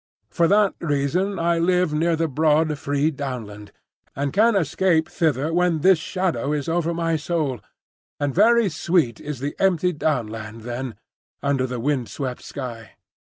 For that reason I live near the broad free downland, and can escape thither when this shadow is over my soul; and very sweet is the empty downland then, under the wind swept sky.